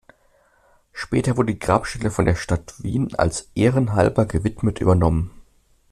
Später wurde die Grabstelle von der Stadt Wien als "ehrenhalber gewidmet" übernommen.